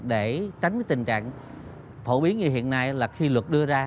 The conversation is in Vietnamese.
để tránh tình trạng phổ biến như hiện nay là khi luật đưa ra